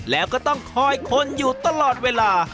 แล้วก็ต้องคอยคนอยู่ตลอดเวลา